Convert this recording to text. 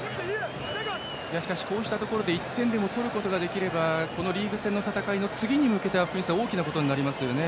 こうしたところで１点でも取れればこのリーグ戦の戦いの次に向けて大きなことになりますね。